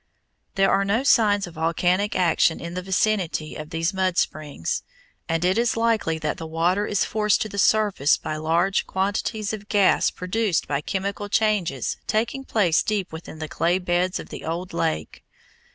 There are no signs of volcanic action in the vicinity of these mud springs, and it is likely that the water is forced to the surface by large quantities of gas produced by chemical changes taking place deep within the clay beds of the old lake.